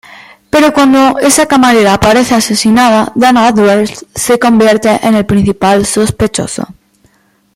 Pero cuando esa camarera aparece asesinada, Dana Andrews se convierte en el principal sospechoso.